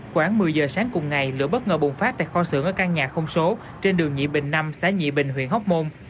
khoảng một mươi giờ sáng cùng ngày lửa bất ngờ bùng phát tại kho xưởng ở căn nhà không số trên đường nhị bình năm xã nhị bình huyện hóc môn